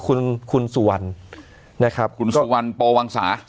คุณสุวรรณนะครับคุณสุวรรณโปวังสาธิ์